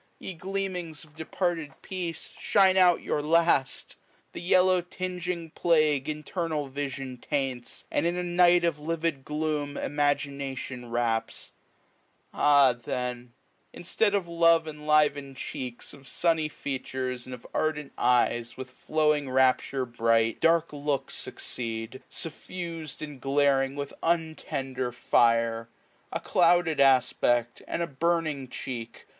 Ye gleamings of departed peace, Shine out your last ! the yellow tinging plague io8a Internal vision taints, and in a night Of livid gloom imagination wraps. G SPRING. Ah then ; instead of lovc enlivcucd cheeks. Of sunny features, and of ardent eyes With flowing rapture bright, dark looks succeed^ iq8^ Suffus'd and glaring with untend^ fire ; A clouded aspect, and a burning cheek.